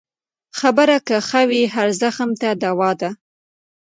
خبره که ښه وي، هر زخم دوا ده.